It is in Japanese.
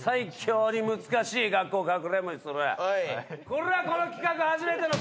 これはこの企画初めての。